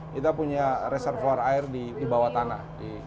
kita punya reservoir air di bawah tanah